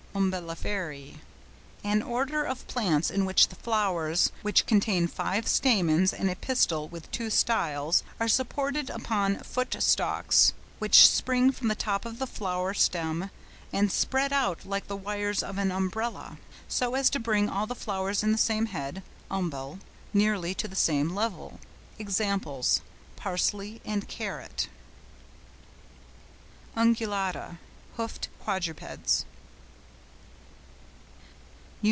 UMBELLIFERÆ.—An order of plants in which the flowers, which contain five stamens and a pistil with two styles, are supported upon footstalks which spring from the top of the flower stem and spread out like the wires of an umbrella, so as to bring all the flowers in the same head (umbel) nearly to the same level. (Examples, Parsley and Carrot.) UNGULATA.—Hoofed quadrupeds.